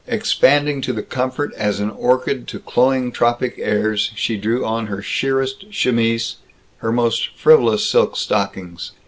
Expanding to the comfort as an orchid to cloying tropic airs, she drew on her sheerest chemise, her most frivolous silk stockings.